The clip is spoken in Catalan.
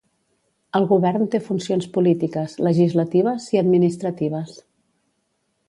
El govern té funcions polítiques, legislatives i administratives.